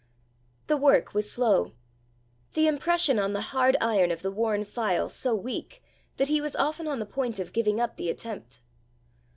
The work was slow the impression on the hard iron of the worn file so weak that he was often on the point of giving up the attempt.